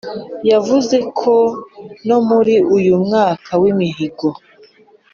yavuze ko no muri uyu mwaka w’imihigo